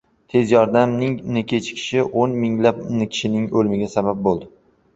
“Tez yordam” ning kechikishi o‘n minglab kishining o‘limiga sabab bo‘ldi